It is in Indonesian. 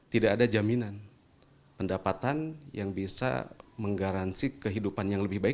tidak ada jaminan pendapatan yang bisa menggaransi kehidupan yang lebih baik